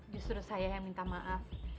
justru saya yang minta maaf